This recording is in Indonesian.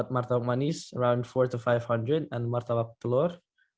martabak manis sekitar empat ratus lima ratus dan martabak telur